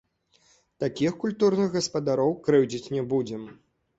Такіх культурных гаспадароў крыўдзіць не будзем.